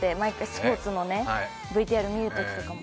スポーツのＶＴＲ見るときとかも。